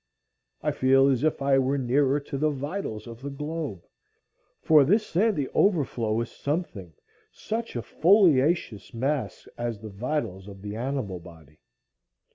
I feel as if I were nearer to the vitals of the globe, for this sandy overflow is something such a foliaceous mass as the vitals of the animal body.